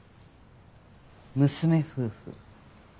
娘夫婦